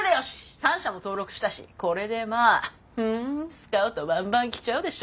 ３社も登録したしこれでまあスカウトバンバン来ちゃうでしょ！